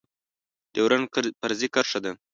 ډيورنډ فرضي کرښه ده